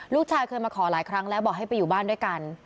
เคยมาขอหลายครั้งแล้วบอกให้ไปอยู่บ้านด้วยกัน